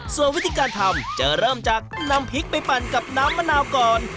ส่วนวิธีการทำจะเริ่มจากนำพริกไปปั่นกับน้ำมะนาวก่อน